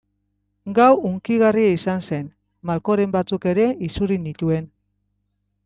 Gau hunkigarria izan zen, malkoren batzuk ere isuri nituen.